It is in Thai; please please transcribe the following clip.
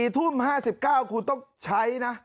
๔ทุ่ม๕๙คุณต้องใช้นะ